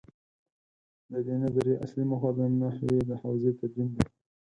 د دې نظریې اصلي موخه د نحوې د حوزې تدوین دی.